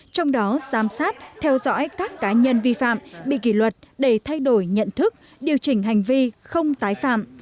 trong đó giám sát theo dõi các cá nhân vi phạm bị kỷ luật để thay đổi nhận thức điều chỉnh hành vi không tái phạm